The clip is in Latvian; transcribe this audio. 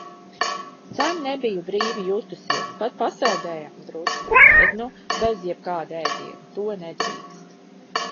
Sen nebiju brīvi jutusies, pat pasēdējām drusku, bet nu bez jebkāda ēdiena, to nedrīkst.